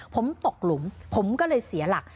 ผมตกหลุมผมก็เลยเสียหลัก